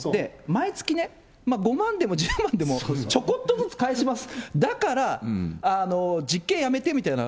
毎月ね、５万でも１０万でも、ちょこっとずつ返します、だから実刑やめてみたいな。